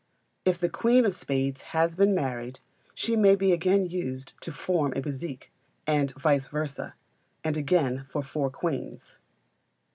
If the queen of spades has been married, she may he again used to form a bézique, and vice versâ, and again for four queens.